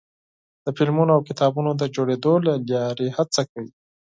د فلمونو او کتابونو د جوړېدو له لارې هڅه کوي.